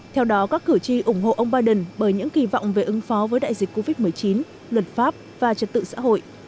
theo đó các cử tri ủng hộ ông biden bởi những kỳ vọng về ứng phó với đại dịch covid một mươi chín luật pháp và trật tự xã hội